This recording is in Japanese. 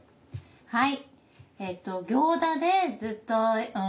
はい。